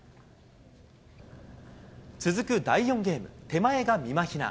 続く第４ゲーム、手前がみまひな。